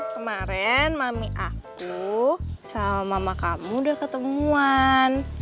kemarin mami aku sama mama kamu udah ketemuan